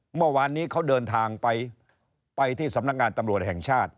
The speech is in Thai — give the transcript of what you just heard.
เมื่อวานนี้เขาเดินทางไปไปที่สำนักงานตำรวจแห่งชาติ